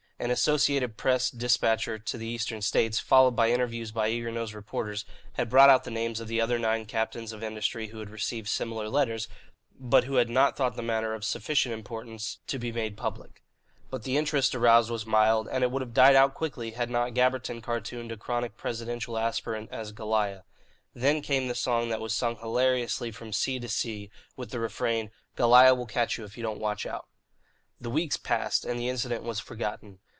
An Associated Press despatch to the Eastern states, followed by interviews by eager nosed reporters, had brought out the names of the other nine captains of industry who had received similar letters, but who had not thought the matter of sufficient importance to be made public. But the interest aroused was mild, and it would have died out quickly had not Gabberton cartooned a chronic presidential aspirant as "Goliah." Then came the song that was sung hilariously from sea to sea, with the refrain, "Goliah will catch you if you don't watch out." The weeks passed and the incident was forgotten.